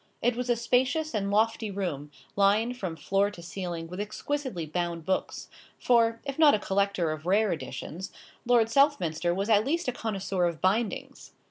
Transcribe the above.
It was a spacious and lofty room, lined from floor to ceiling with exquisitely bound books; for, if not a collector of rare editions, Lord Southminster was at least a connoisseur of bindings.